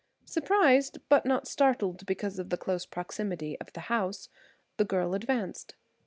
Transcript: Surprised, but not startled, because of the close proximity of the house, the girl advanced.